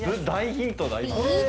大ヒントだ。